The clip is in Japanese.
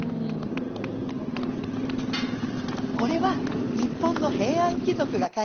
これは日本の平安貴族が書いた『更級日記』。